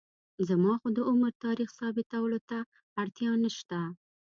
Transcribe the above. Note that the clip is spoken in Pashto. زما خو د عمر تاریخ ثابتولو ته اړتیا نشته.